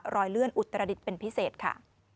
รอยเลื่อนอุตรดิษฐ์เป็นพิเศษค่ะ